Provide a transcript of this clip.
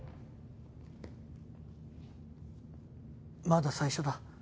まだ最初だ。